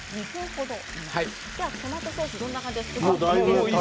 トマトソースはどんな感じですか？